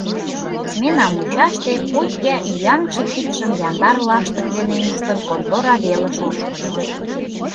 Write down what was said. Смена мучаште Костя, ӱяҥше кидшым яндар лаштык дене ӱштын, контора велыш ошкыльо.